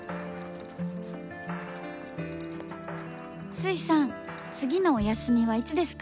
「粋さん次のお休みはいつですか？」